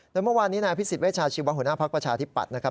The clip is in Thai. โดยเมื่อวานนี้นายพิสิทธเวชาชีวะหัวหน้าภักดิ์ประชาธิปัตย์นะครับ